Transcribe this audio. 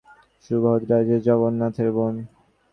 সুভদ্রা যে জগন্নাথের বোন!